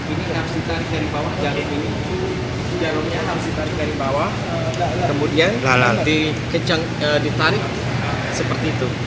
ini harus ditarik dari bawah jarum ini jarumnya harus ditarik dari bawah kemudian ditarik seperti itu